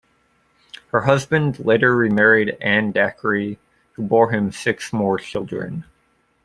Her husband later remarried Anne Dacre, who bore him six more children.